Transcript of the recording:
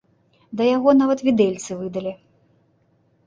Да яго нават відэльцы выдалі!